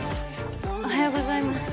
おはようございます。